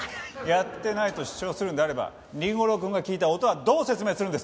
やってないと主張するのであれば凛吾郎くんが聞いた音はどう説明するんですか？